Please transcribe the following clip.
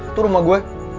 itu rumah gue